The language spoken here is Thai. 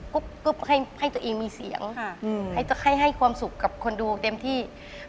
ให้ตัวเองมีเสียงให้ความสุขกับคนดูเต็มที่